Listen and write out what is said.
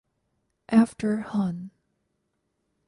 After Hon.